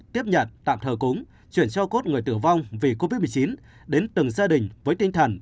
tiếp nhận tạm thờ cúng chuyển cho cốt người tử vong vì covid một mươi chín đến từng gia đình với tinh thần